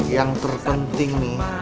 yang terpenting nih